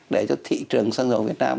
để cho thị trường xăng dầu việt nam